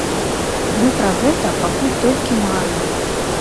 Мы пра гэта пакуль толькі марым.